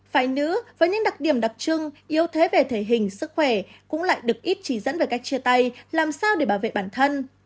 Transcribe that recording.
phải nữ với những đặc điểm đặc trưng yếu thế về thể hình sức khỏe cũng lại được ít chỉ dẫn về cách chia tay làm sao để bảo vệ bản thân